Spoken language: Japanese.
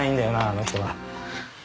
あの人は。